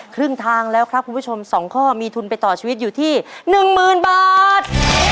ครึ่งทางแล้วครับคุณผู้ชม๒ข้อมีทุนไปต่อชีวิตอยู่ที่๑๐๐๐บาท